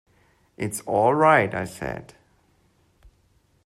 "It's all right," I said.